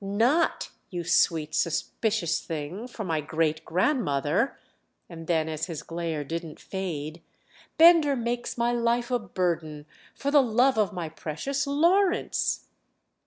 "Not, you sweet suspicious thing, for my great grandmother!" And then as his glare didn't fade: "Bender makes my life a burden—for the love of my precious Lawrence."